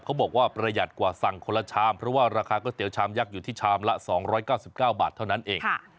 บอกว่าประหยัดกว่าสั่งคนละชามเพราะว่าราคาก๋วเตี๋ยชามยักษ์อยู่ที่ชามละ๒๙๙บาทเท่านั้นเอง